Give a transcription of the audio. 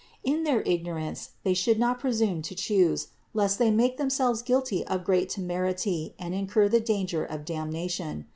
In their ignorance they should not presume to chose, lest they make themselves guilty of great temerity and incur the danger of damnation.